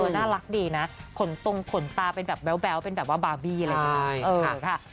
น่ารักดีนะขนตรงขนตาเป็นแบบแบ๊วเป็นแบบว่าบาร์บี่เลย